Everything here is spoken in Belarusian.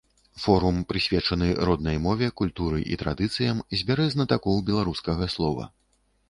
Форум, прысвечаны роднай мове, культуры і традыцыям, збярэ знатакоў беларускага слова.